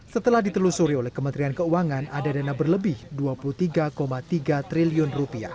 setelah ditelusuri oleh kementerian keuangan ada dana berlebih rp dua puluh tiga tiga triliun